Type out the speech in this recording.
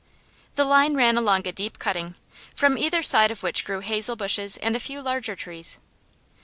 The line ran along a deep cutting, from either side of which grew hazel bushes and a few larger trees.